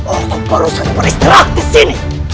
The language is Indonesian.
orang itu perlu beristirahat disini